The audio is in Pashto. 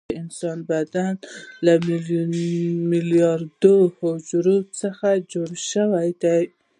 د انسان بدن له میلیارډونو حجرو څخه جوړ شوی دی